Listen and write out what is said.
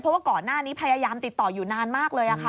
เพราะว่าก่อนหน้านี้พยายามติดต่ออยู่นานมากเลยค่ะ